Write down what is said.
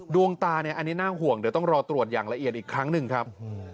ดวงตาเนี่ยอันนี้น่าห่วงเดี๋ยวต้องรอตรวจอย่างละเอียดอีกครั้งหนึ่งครับ